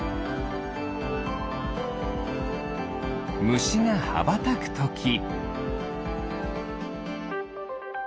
ムシがはばたくとき。